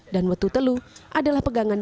dan wetutelu adalah pegangan yang berbeda